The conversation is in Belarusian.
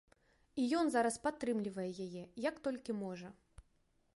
І ён зараз падтрымлівае яе, як толькі можа.